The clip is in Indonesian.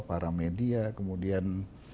para media kemudian